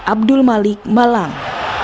abdul malik malang